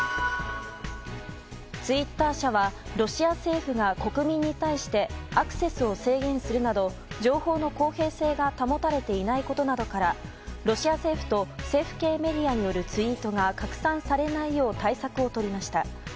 ツイッター社は、ロシア政府が国民に対してアクセスを制限するなど情報の公平性が保たれていないことなどからロシア政府と政府系メディアによるツイートが拡散されないよう対策をとりました。